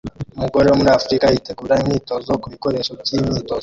Umugore wo muri Afurika yitegura imyitozo ku bikoresho by'imyitozo